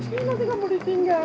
inna sih kamu ditinggal gak